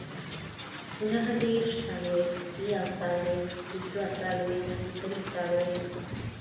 نههدېرش، څلوېښت، يوڅلوېښت، دوهڅلوېښت، دريڅلوېښت